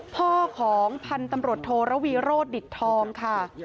พ่อของพันธุ์ตำรวจโทรวีโรธดิตทองค่ะ